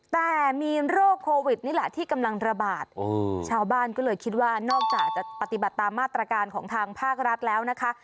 แต่มีโรคโควิดนี่แหละที่กำลังระบาดชาวบ้านก็เลยคิดว่านอกจากจะปฏิบัติตามมาตรการของทางภาครัฐแล้วนะคะ